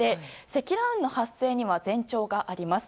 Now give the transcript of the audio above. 積乱雲の発生には前兆があります。